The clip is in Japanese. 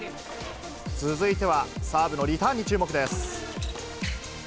続いては、サーブのリターンに注目です。